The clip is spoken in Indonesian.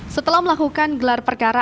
setelah melakukan gelar perkara